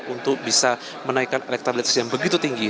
untuk bisa menaikkan elektabilitas yang begitu tinggi